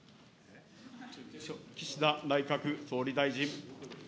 岸田内閣総理大臣。